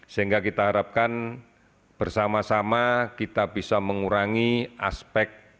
sehingga kita harapkan bersama sama kita bisa mengurangi aspek